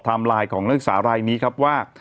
ไทม์ไลน์ของเลือกสารายนี้ครับว่า